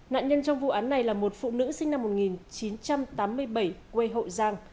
nạn nhân trong vụ án này là một phụ nữ sinh năm một nghìn chín trăm tám mươi bảy quê hậu giang